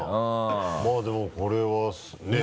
まぁでもこれはねぇ。